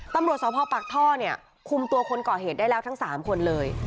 ตำรวจสภปากท่อเนี่ยคุมตัวคนก่อเหตุได้แล้วทั้ง๓คนเลย